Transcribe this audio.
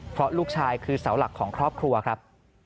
เพราะลูกชายคือเสาหลักของครอบครัวครับ